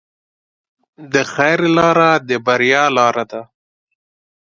د خیر لاره د بریا لاره ده.